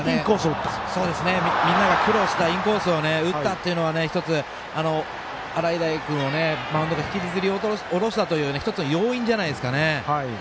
みんなが苦労したインコース打ったというのは洗平君をマウンドから引きずり下ろしたという１つの要因じゃないですかね。